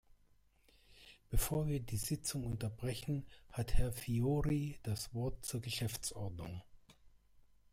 Bevor wir die Sitzung unterbrechen, hat Herr Fiori das Wort zur Geschäftsordnung.